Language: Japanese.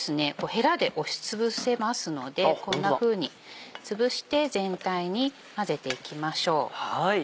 へらで押しつぶせますのでこんなふうにつぶして全体に混ぜていきましょう。